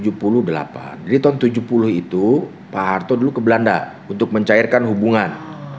jadi tahun seribu sembilan ratus tujuh puluh itu pak harto dulu ke belanda untuk mencairkan hubungan